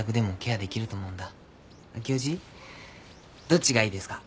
どっちがいいですか？